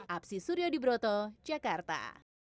apsi surya dibroto jakarta